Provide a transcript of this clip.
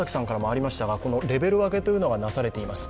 レベル訳というのがなされています。